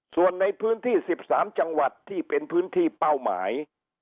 ส่วนในพื้นที่๑๓จังหวัดที่เป็นพื้นที่เป้าหมาย